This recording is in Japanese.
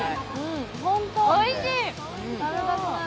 おいしい！